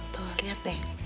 tuh liat deh